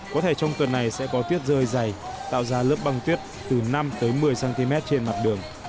có thể trong tuần này sẽ có tuyết rơi dày tạo ra lớp băng tuyết từ năm một mươi cm trên mặt đường